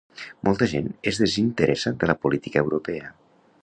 Molta gent es desinteressa de la política europea.